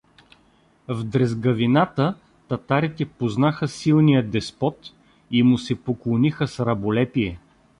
В дрезгавината татарите познаха силния деспот и му се поклониха с раболепие.